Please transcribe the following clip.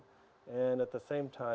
dan pada saat yang sama